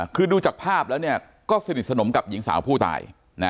คือดูจากภาพแล้วก็สนิทสนมกับหญิงสาวผู้ตาย